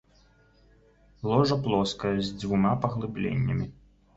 Ложа плоскае з дзвюма паглыбленнямі.